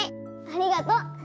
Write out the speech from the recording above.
ありがと！